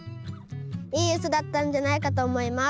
いいウソだったんじゃないかと思います。